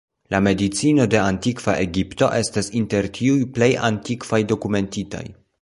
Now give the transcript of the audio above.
La medicino de Antikva Egipto estas inter tiuj plej antikvaj dokumentitaj.